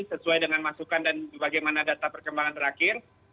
sesuai dengan masukan dan bagaimana data perkembangan terakhir